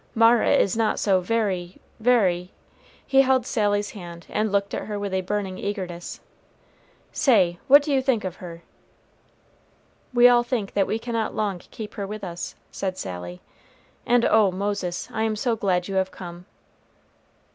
Mara is not so very very" He held Sally's hand and looked at her with a burning eagerness. "Say, what do you think of her?" "We all think that we cannot long keep her with us," said Sally. "And oh, Moses, I am so glad you have come."